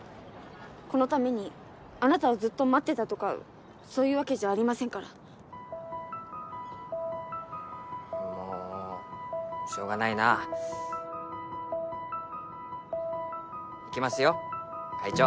このためにあなたをずっと待ってたとかそういうわけじゃありませんからもうしょうがないな行きますよ会長